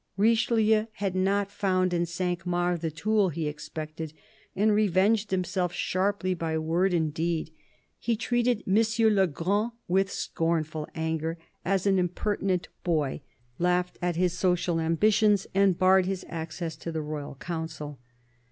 Richelieu had not found in Cinq Mars the tool he expected, and revenged himself sharply by word and deed. He treated " M. le Grand " with scornful anger as an impertinent boy, laughed at his social ambitions and barred his access to the royal Council.